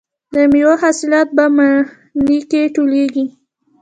د میوو حاصلات په مني کې ټولېږي.